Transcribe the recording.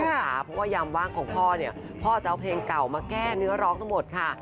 เพราะว่ายามว่างของพ่อเนี่ยพ่อจะเอาเพลงเก่ามาแก้เนื้อร้องทั้งหมดค่ะ